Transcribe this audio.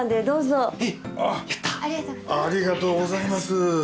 ありがとうございます。